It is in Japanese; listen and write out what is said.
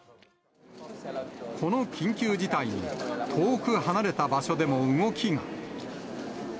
この緊急事態に、遠く離れた場所でも動きが。